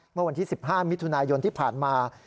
เมื่อวันที่๑๕มิถุนายนที่ผ่านมา